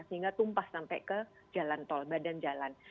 sehingga tumpah sampai ke jalan tol badan jalan